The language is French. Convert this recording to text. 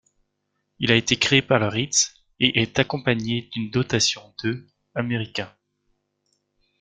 Il a été créé par le Ritz, et est accompagné d'une dotation de américains.